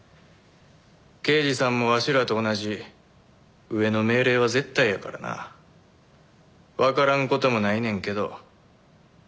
刑事さんもわしらと同じ上の命令は絶対やからなわからん事もないねんけど。